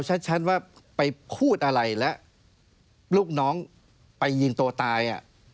ชัดว่าไปพูดอะไรและลูกน้องไปยิงตัวตาย